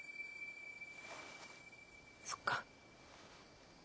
そっか。